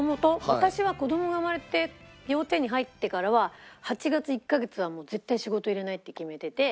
私が子供が生まれて幼稚園に入ってからは８月１カ月は絶対仕事入れないって決めてて。